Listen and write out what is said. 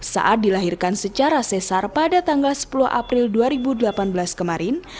saat dilahirkan secara sesar pada tanggal sepuluh april dua ribu delapan belas kemarin